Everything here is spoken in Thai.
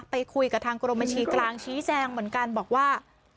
ไปคุยกับทางกรมบัญชีกลางชี้แจงเหมือนกันบอกว่า